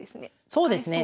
そうですね。